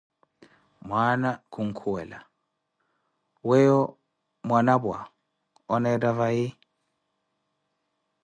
Mwaana kunkhuwela: Weyo Mwanapwa, oneettha vai?